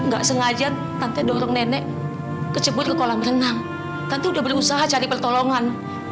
gak sengaja tante dorong nenek kecebut ke kolam renang tante udah berusaha cari pertolongan